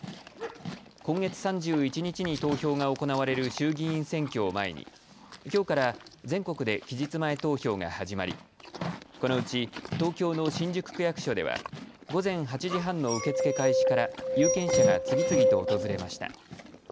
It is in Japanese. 今月３１日に投票が行われる衆議院選挙を前にきょうから全国で期日前投票が始まりこのうち東京の新宿区役所では午前８時半の受け付け開始から有権者が次々と訪れました。